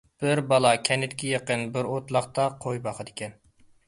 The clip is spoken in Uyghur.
بىر بالا كەنتكە يېقىن بىر ئوتلاقتا قوي باقىدىكەن.